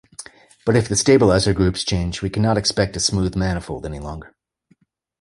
But if the stabilizer groups change we cannot expect a smooth manifold any longer.